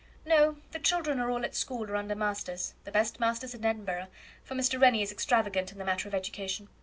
"No; the children are all at school or under masters the best masters in Edinburgh for Mr. Rennie is extravagant in the matter of education.